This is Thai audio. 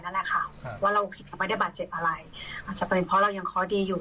นั่นแหละค่ะว่าเราผิดกับไม่ได้บาดเจ็บอะไรอาจจะเป็นเพราะเรายังเคาะดีอยู่